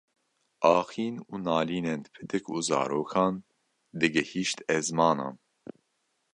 axîn û nalînên pitik û zarokan digihîşt ezmanan